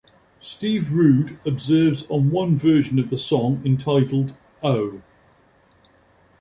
Steve Roud observes on one version of the song titled O!